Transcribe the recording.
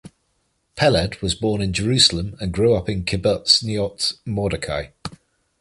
Peled was born in Jerusalem and grew up at Kibbutz Neot Mordechai.